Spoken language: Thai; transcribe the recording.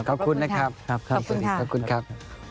ขอบพระคุณครับ